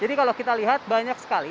jadi kalau kita lihat banyak sekali